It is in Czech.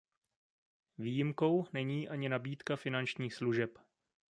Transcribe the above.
Výjimkou není ani nabídka finančních služeb.